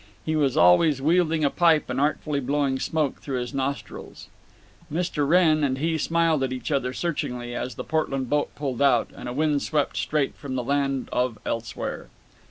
He was always wielding a pipe and artfully blowing smoke through his nostrils. Mr. Wrenn and he smiled at each other searchingly as the Portland boat pulled out, and a wind swept straight from the Land of Elsewhere.